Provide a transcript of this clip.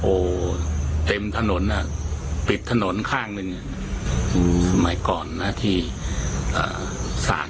โอ้เต็มถนนปิดถนนข้างสมัยก่อนที่ของสาร